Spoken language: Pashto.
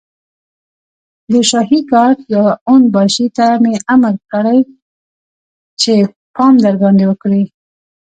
د شاهي ګارډ يوه اون باشي ته مې امر کړی چې پام درباندې وکړي.